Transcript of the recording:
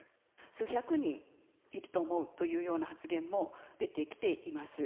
数百人いると思うというような発言も出てきています。